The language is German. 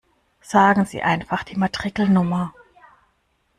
Sagen Sie einfach die Matrikelnummer!